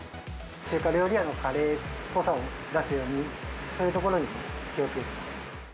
中華料理屋のカレーっぽさを出すように、そういうところに気をつけています。